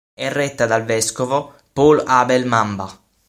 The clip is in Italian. È retta dal vescovo Paul Abel Mamba.